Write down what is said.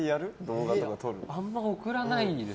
あんまり送らないです。